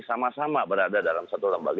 sama sama berada dalam satu lembaga